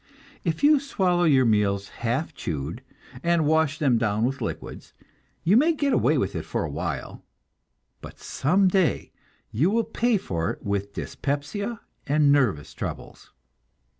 If you swallow your meals half chewed, and wash them down with liquids, you may get away with it for a while, but some day you will pay for it with dyspepsia and nervous troubles.